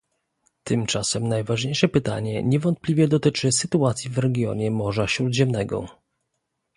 Tymczasem najważniejsze pytanie niewątpliwie dotyczy sytuacji w regionie Morza Śródziemnego